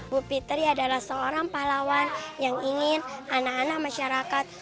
bu pitri adalah seorang pahlawan yang ingin anak anak masyarakat